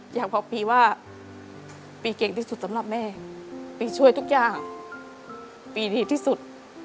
อยากบอกปีว่าปีเก่งที่สุดสำหรับแม่ปีช่วยทุกอย่างปีดีที่สุด